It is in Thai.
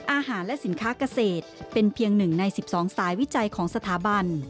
อาหารและสินค้าเกษตรเป็นเพียง๑ใน๑๒สายวิจัยของสถาบัน